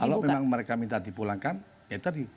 kalau memang mereka minta dipulangkan ya tadi